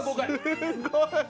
すっごい！